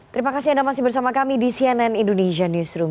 terima kasih anda masih bersama kami di cnn indonesia newsroom